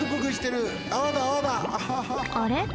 あれ？